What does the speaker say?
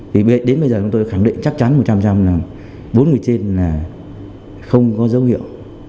thì đến bây giờ chúng tôi khẳng định chắc chắn một trăm linh là bốn người trên là không có dấu hiệu